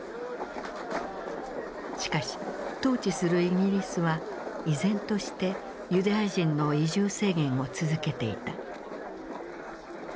しかし統治するイギリスは依然としてユダヤ人の移住制限を続けていた。